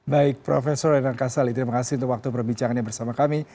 baik prof renan kasali terima kasih untuk waktu perbincangannya bersama kami